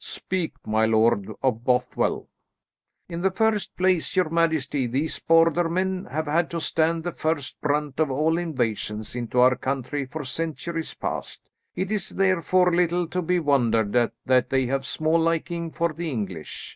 "Speak, my Lord of Bothwell." "In the first place, your majesty, these Border men have had to stand the first brunt of all invasions into our country for centuries past. It is, therefore, little to be wondered at that they have small liking for the English.